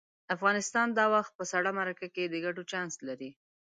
افغانستان دا وخت په سړه مرکه کې د ګټو چانس لري.